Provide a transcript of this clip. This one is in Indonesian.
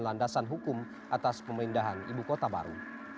landasan hukum atas pemindahan ibu kota baru